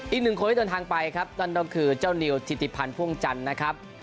อีกหนึ่งคนที่เดินทางไปครับนั่นก็คือเจ้านิวทิติพันธ์พ่วงจันทร์นะครับ